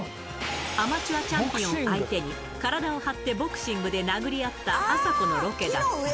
アマチュアチャンピオン相手に体を張ってボクシングで殴り合ったあさこのロケだった。